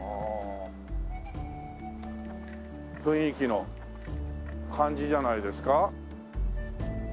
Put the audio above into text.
雰囲気の感じじゃないですか。